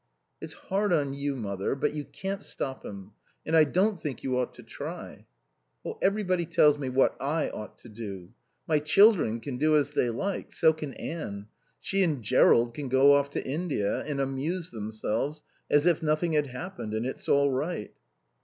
"It's hard on you, Mother; but you can't stop him. And I don't think you ought to try." "Oh, everybody tells me what I ought to do. My children can do as they like. So can Anne. She and Jerrold can go off to India and amuse themselves as if nothing had happened and it's all right."